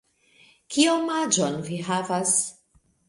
Kiom aĝon vi havas?